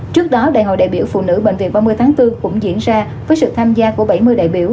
trước đó đại hội đại biểu phụ nữ bệnh viện ba mươi tháng bốn cũng diễn ra với sự tham gia của bảy mươi đại biểu